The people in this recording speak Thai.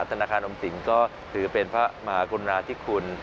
ธนาคารออมสินก็ถือเป็นพระมหากุณาธิคุณ